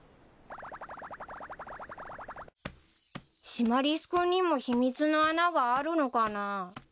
シマリス君にも秘密の穴があるのかなぁ。